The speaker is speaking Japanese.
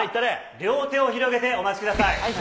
両手を広げてお待ちください。